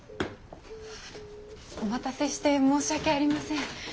お待たせして申し訳ありません。